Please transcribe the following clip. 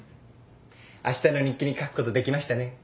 あしたの日記に書くことできましたね。